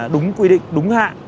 đúng quy định đúng hạ